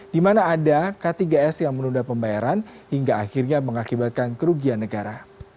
di mana ada k tiga s yang menunda pembayaran hingga akhirnya mengakibatkan kerugian negara